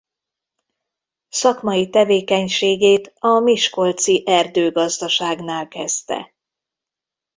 Szakmai tevékenységét a miskolci erdőgazdaságnál kezdte.